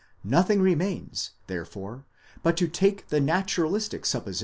Nothing remains, therefore, but to take the naturalistic supposition of the: 35.